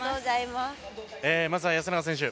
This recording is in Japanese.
まずは安永選手